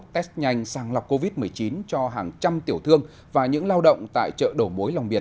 test nhanh sàng lọc covid một mươi chín cho hàng trăm tiểu thương và những lao động tại chợ đầu mối long biệt